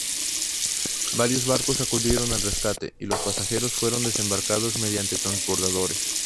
Varios barcos acudieron al rescate, y los pasajeros fueron desembarcados mediante transbordadores.